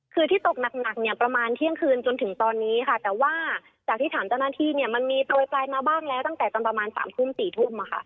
คือที่ตกหนักเนี่ยประมาณเที่ยงคืนจนถึงตอนนี้ค่ะแต่ว่าจากที่ถามเจ้าหน้าที่เนี่ยมันมีโปรยปลายมาบ้างแล้วตั้งแต่ตอนประมาณ๓ทุ่ม๔ทุ่ม